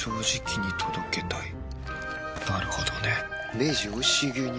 明治おいしい牛乳